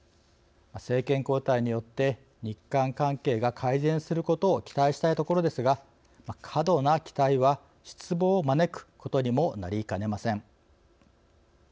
政権交代によって日韓関係が改善することを期待したいところですが過度な期待は失望を招くことにもなりかねません。